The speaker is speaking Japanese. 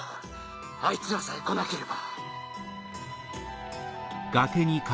あいつらさえ来なければ。